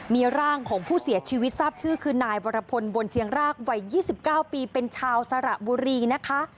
มีร่างของผู้เสียชีวิตทราบชื่อคือนายวรพลบนเชียงรากวัย๒๙ปีเป็นชาวสระบุรีนะคะ